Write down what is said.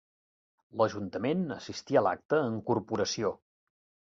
L'ajuntament assistí a l'acte en corporació.